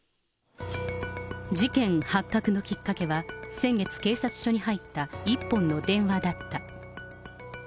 事件発覚のきっかけは、先月、警察署に入った１本の電話だった。